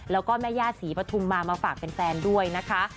แล้วก็แม่ย่าศรีปฐุมมามาฝากแฟนด้วยนะคะ